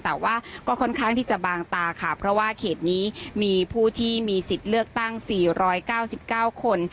แต่ว่าก็ค่อนข้างที่จะบางตาค่ะเพราะว่าเขตนี้มีผู้ที่มีสิทธิ์เลือกตั้ง๔๙๙คน